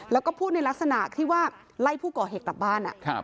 แล้วก็พูดในลักษณะที่ว่าไล่ผู้ก่อเหตุกลับบ้าน